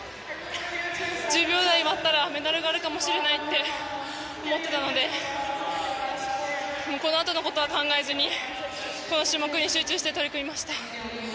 １０秒台割ったらメダルがあるかもしれないって思っていたのでこのあとのことは考えずにこの種目に集中して取り組みました。